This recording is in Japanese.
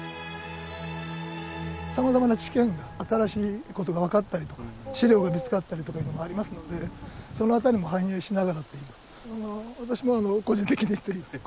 さまざまな知見が新しいことが分かったりとか史料が見つかったりとかいうのもありますのでその辺りも反映しながら。